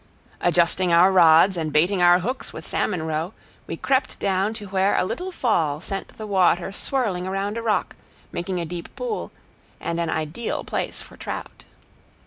Adjusting our rods, and baiting our hooks with salmon roe, we crept down to where a little fall sent the water swirling around a rock, making a deep pool, and an ideal place for trout.